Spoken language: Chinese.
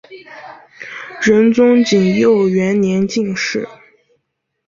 仁宗景佑元年进士。